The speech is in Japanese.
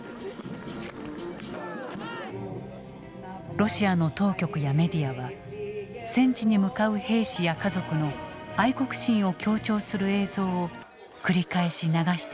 ロシアの当局やメディアは戦地に向かう兵士や家族の愛国心を強調する映像を繰り返し流してきた。